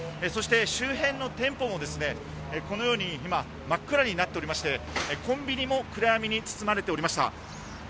そして周辺の店舗もこのように真っ暗になっていてコンビニも暗闇に包まれていました。